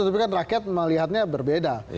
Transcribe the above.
tapi kan rakyat melihatnya berbeda